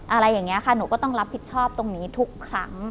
อะไรอย่างนี้ค่ะหนูก็ต้องรับผิดชอบตรงนี้ทุกครั้ง